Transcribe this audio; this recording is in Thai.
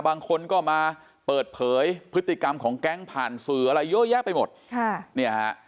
บางคนก็มาเปิดเผยพฤติกรรมของแก๊งผ่านสื่ออะไรเยอะแยะไปหมดค่ะเนี่ยฮะ